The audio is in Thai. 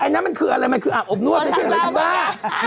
ไอ้นั้นมันคืออะไรอับอบนวดไปใช่ไหมบ้า